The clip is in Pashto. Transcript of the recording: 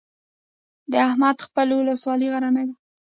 د احمد خیل ولسوالۍ غرنۍ ده